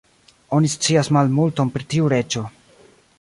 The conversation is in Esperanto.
Oni scias malmulton pri tiu reĝo.